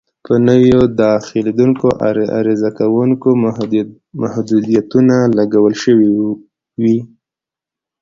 په نویو داخلېدونکو عرضه کوونکو محدودیتونه لګول شوي وي.